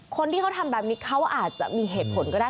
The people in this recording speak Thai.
คนที่เขาทำแบบนี้เขาอาจจะมีเหตุผลก็ได้